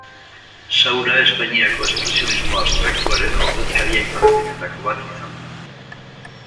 Saura Espainiako espresionismo abstraktuaren ordezkari aipagarrienetako bat izan da.